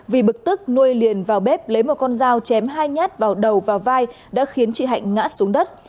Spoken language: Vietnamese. vì bực tức nuôi liền vào bếp lấy một con dao chém hai nhát vào đầu và vai đã khiến chị hạnh ngã xuống đất